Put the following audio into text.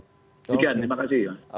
sekian terima kasih